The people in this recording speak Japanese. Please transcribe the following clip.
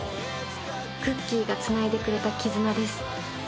［クッキーがつないでくれた絆です］